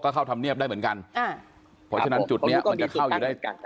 เข้าธรรมเนียบได้เหมือนกันอ่าเพราะฉะนั้นจุดเนี้ยมันจะเข้าอยู่ได้